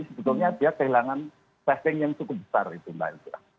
sebetulnya dia kehilangan testing yang cukup besar itu mbak indra